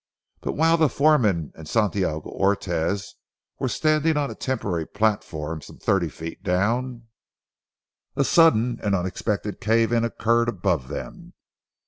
But while the foreman and Santiago Ortez were standing on a temporary platform some thirty feet down, a sudden and unexpected cave in occurred above them.